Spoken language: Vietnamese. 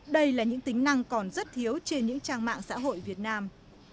đây là những tính năng còn rất thiếu trên những trang mạng xã hội việt nam